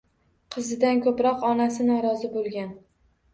Qizidan ko‘proq onasi norozi bo‘lgan.